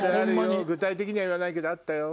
具体的には言わないけどあったよ。